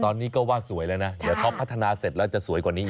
ตอนนี้ก็ว่าสวยแล้วนะเดี๋ยวเขาพัฒนาเสร็จแล้วจะสวยกว่านี้อีก